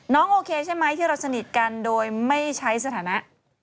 โอเคใช่ไหมที่เราสนิทกันโดยไม่ใช้สถานะ